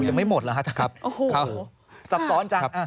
ยังไม่หมดหรอครับสับสอนจัง